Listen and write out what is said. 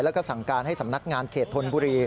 แล้วก็สั่งการให้สำนักงานเขตธนบุรี